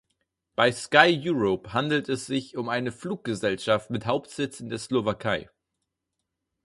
Bei SkyEurope handelte es sich um eine Fluggesellschaft mit Hauptsitz in der Slowakei.